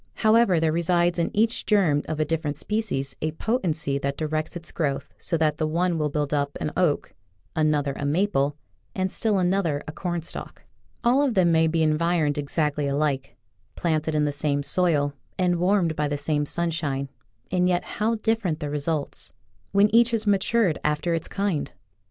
However, there resides in each germ of a different species a potency that directs its growth so that the one will build up an oak, another a maple, and still another a cornstalk. All of them may be environed ex actly alike, planted in the same soil and warmed by the same sunshine, and yet how different the results — when each has matured after its kind !